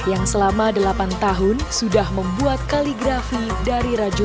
ayat apa kita bikin kita gambar dulu